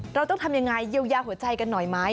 เราต้องทำยังไงเยียวยาหัวใจกันหน่อยไหม